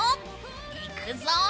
いくぞ！